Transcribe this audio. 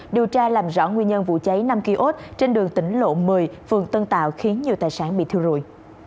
điều tra làm rõ nguyên nhân vụ cháy năm kiosk trên đường tỉnh lộ một mươi phường tân tạo khiến nhiều tài sản bị thiêu rụi